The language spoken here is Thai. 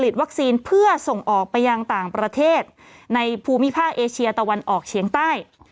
ที่ยังต่างประเทศในภูมิภาคเอเชียตะวันออกเฉียงใต้